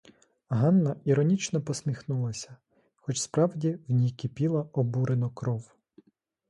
Ганна іронічно посміхнулася, хоч справді в ній кипіла обурено кров.